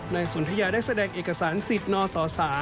สนทยาได้แสดงเอกสารสิทธิ์นสศ